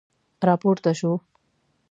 را پورته شو.